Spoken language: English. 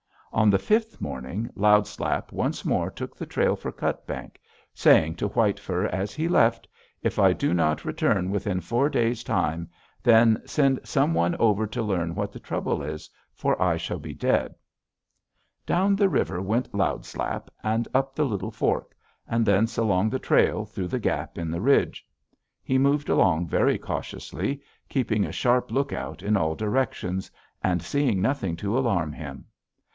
On the fifth morning Loud Slap once more took the trail for Cutbank, saying to White Fur as he left, 'If I do not return within four days' time, then send some one over to learn what the trouble is, for I shall be dead.' "Down the river went Loud Slap, and up the little fork, and thence along the trail through the gap in the ridge. He moved along very cautiously, keeping a sharp lookout in all directions, and seeing nothing to alarm him.